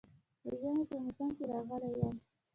د ژمي په موسم کې راغلی وم.